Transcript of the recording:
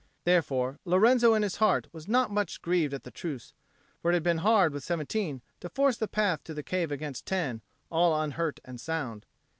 Therefore Lorenzo in his heart was not much grieved at the truce, for it had been hard with seventeen to force the path to the cave against ten, all unhurt and sound.